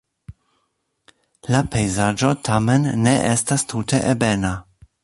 La pejzaĝo tamen ne estas tute ebena.